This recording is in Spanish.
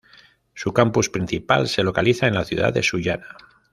Su campus principal se localiza en la ciudad de Sullana.